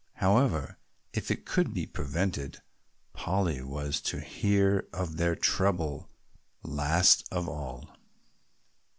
However, if it could be prevented, Polly was to hear of their trouble last of all!